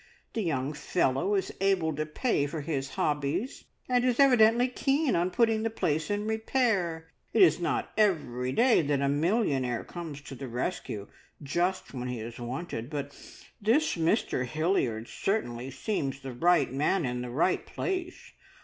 The young fellow is able to pay for his hobbies, and is evidently keen on putting the place in repair. It is not every day that a millionaire comes to the rescue just when he is wanted, but this Mr Hilliard certainly seems the right man in the right place.